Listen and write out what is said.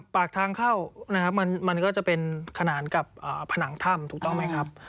ปากทางเข้านะครับมันก็จะเป็นขนานกับผนังถ้ำถูกต้องไหมครับ